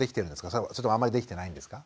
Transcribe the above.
それともあんまりできてないんですか？